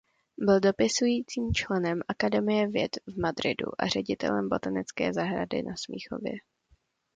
Byl dopisujícím členem akademie věd v Madridu a ředitelem botanické zahrady na Smíchově.